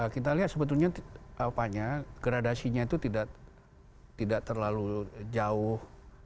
kita lihat sebetulnya gradasinya itu tidak terlalu jauh